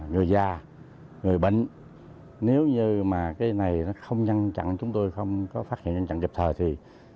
người già người bệnh nếu như mà cái này nó không nhân chặn chúng tôi không có phát hiện nhân chặn dịp thời thì